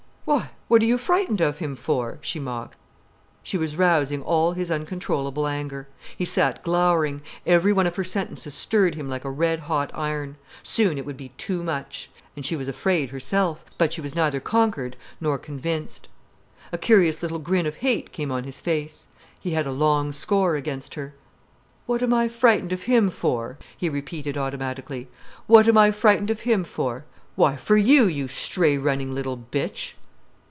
"Why, what are you frightened of him for?" she mocked. She was rousing all his uncontrollable anger. He sat glowering. Every one of her sentences stirred him up like a red hot iron. Soon it would be too much. And she was afraid herself; but she was neither conquered nor convinced. A curious little grin of hate came on his face. He had a long score against her. "What am I frightened of him for?" he repeated automatically. "What am I frightened of him for? Why, for you, you stray running little bitch."